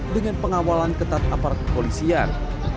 dengan pengawalan ketat apartem polisian